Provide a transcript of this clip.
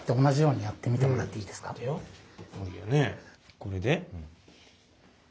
これで？